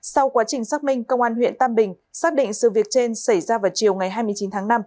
sau quá trình xác minh công an huyện tam bình xác định sự việc trên xảy ra vào chiều ngày hai mươi chín tháng năm